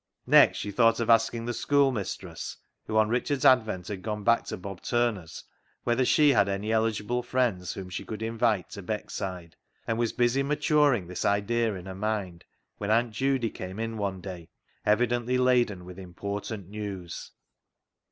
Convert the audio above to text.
Next she thought of asking the school mistress, who on Richard's advent had gone back to Bob Turner's, whether she had any eligible friends whom she could invite to Beck side, and was busy maturing this idea in her mind when Aunt Judy came in one day, evidently laden with important news.